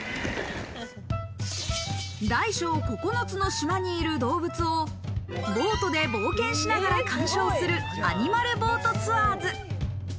大小９つの島にいる動物をボートで冒険しながら鑑賞するアニマルボートツアーズ。